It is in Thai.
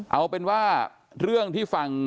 เอาเป็นว่าเรื่องที่ฟัง